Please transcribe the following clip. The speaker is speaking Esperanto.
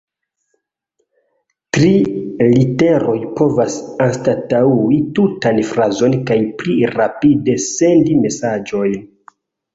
Tri literoj povas anstataŭi tutan frazon kaj pli rapide sendi mesaĝojn.